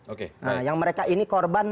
oke nah yang mereka ini korban